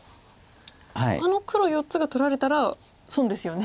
あの黒４つが取られたら損ですよね。